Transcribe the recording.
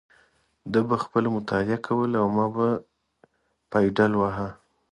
ده به خپله مطالعه کوله او ما به پایډل واهه.